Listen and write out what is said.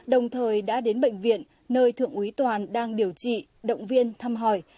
đồng thời đã đến bệnh viện nơi thượng quý toàn đang điều trị động viên thăm hỏi